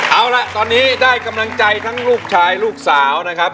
เอาล่ะตอนนี้ได้กำลังใจทั้งลูกชายลูกสาวนะครับ